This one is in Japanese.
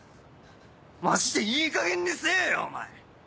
マジでいいかげんにせぇよお前！